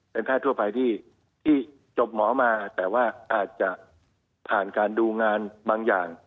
เป็นแพทย์ทั่วไปที่จบหมอมาแต่ว่าอาจจะผ่านการดูงานบางอย่าง